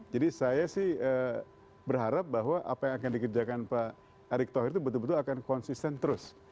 saya sih berharap bahwa apa yang akan dikerjakan pak erick thohir itu betul betul akan konsisten terus